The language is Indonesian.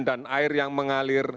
dan air yang mengalir